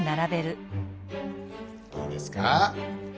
いいですか？